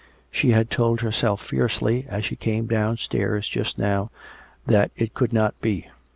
She had told herself fiercely as she came downstairs just now, that it could not be.